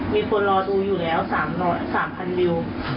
มีคนรอดูอยู่แล้ว๓๐๐วิว